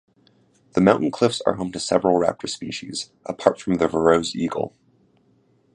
The mountain cliffs are home to several raptors species, apart from the Verreaux's eagle.